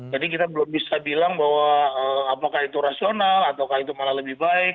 jadi kita belum bisa bilang bahwa apakah itu rasional atau apakah itu malah lebih baik